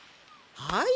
はい。